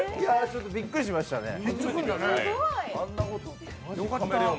ちょっとびっくりしましたね。